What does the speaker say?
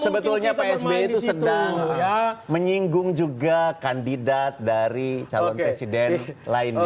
sebetulnya pak sby itu sedang menyinggung juga kandidat dari calon presiden lainnya